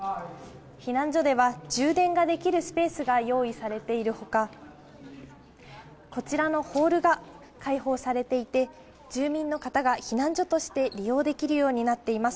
避難所では充電ができるスペースが用意されているほか、こちらのホールが開放されていて、住民の方が避難所として利用できるようになっています。